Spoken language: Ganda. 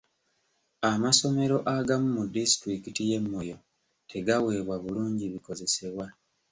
Amasomero agamu mu disitulikiti y'e Moyo tegaweebwa bulungi bikozesebwa.